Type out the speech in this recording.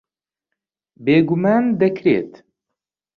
بێگومان دەکرێت.